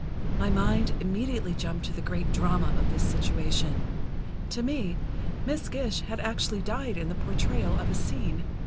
My mind immediately jumped to the great drama of this situation. To me, Miss Gish had actually died in the portrayal of a scene.